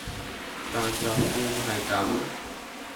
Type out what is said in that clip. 但就算係咁